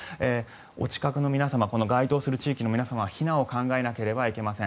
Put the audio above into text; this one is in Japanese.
お近くの皆様該当する地域の皆様避難を考えなければいけません。